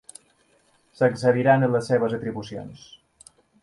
S'excediran en les seves atribucions.